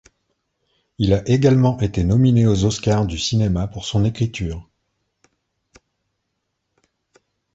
Il a également été nominé aux Oscars du cinéma pour son écriture.